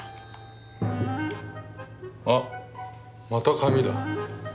あっまた紙だ。